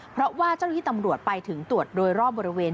เพราะว่าเจ้าหน้าที่ตำรวจไปถึงตรวจโดยรอบบริเวณ